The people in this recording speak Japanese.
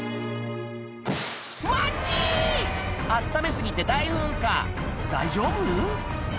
「アチ！」温め過ぎて大噴火大丈夫？